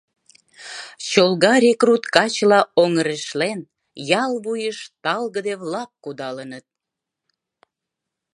Чолга рекрут качыла оҥырешлен, ял вуйыш талгыде-влак кудалыныт.